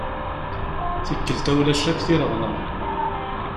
Tikkelt-a ulac akk tireɣla.